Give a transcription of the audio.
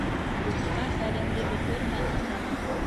— Юҡҡа хәлеңде бөтөрмә, атаман.